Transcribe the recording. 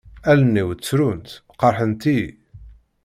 Allen-iw ttrunt, qerḥent-iyi.